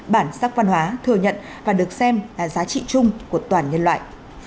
bản sắc văn hóa thừa nhận và được xem là giá trị chung của toàn nhân loại